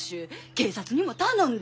警察にも頼んで！